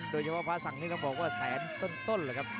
โดยเฉพาะภาษังนี่ก็บอกว่าแสนต้นละครับ